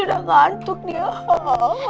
udah ngantuk dia